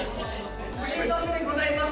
注目でございます！